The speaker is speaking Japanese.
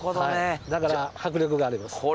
はいだから迫力があります。